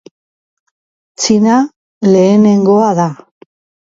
Txina lehenengoa da.